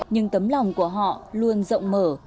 nhưng tấm lòng của họ luôn rộng mở